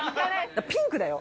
ピンクだよ？